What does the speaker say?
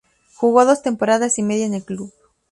Jugó dos temporadas y media en el club.